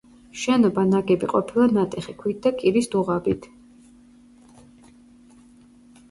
შენობა ნაგები ყოფილა ნატეხი ქვით და კირის დუღაბით.